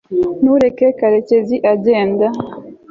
ntureke karekezi agenda